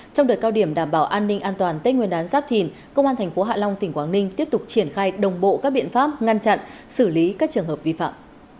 trong đợt cao điểm đảm bảo an ninh an toàn tết nguyên đán giáp thìn công an tp hạ long tỉnh quảng ninh tiếp tục triển khai đồng bộ các biện pháp ngăn chặn xử lý các trường hợp vi phạm